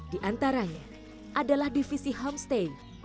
di antaranya adalah divisi homestay